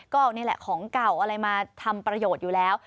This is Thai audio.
ก็เอานี่แหละของเก่าอะไรมาทำประโยชน์อยู่แล้ว